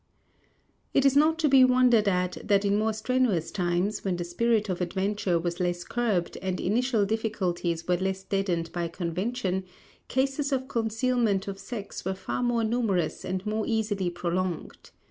It is not to be wondered at that in more strenuous times, when the spirit of adventure was less curbed, and initial difficulties were less deadened by convention, cases of concealment of sex were far more numerous and more easily prolonged.